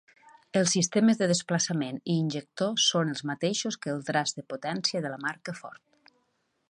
Els sistemes de desplaçament i injector són els mateixos que el traç de potència de la marca Ford.